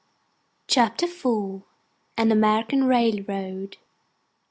CHAPTER IV AN AMERICAN RAILROAD.